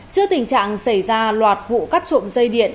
trước tình trạng xảy ra loạt vụ cắt trộm dây điện